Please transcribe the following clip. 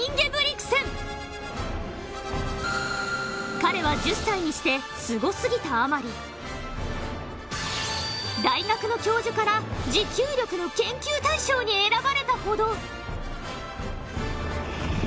彼は１０歳にしてすごすぎたあまり大学の教授から持久力の研究対象に選ばれたほど。